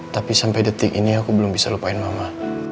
tapi sampai detik ini aku belum bisa lupain mama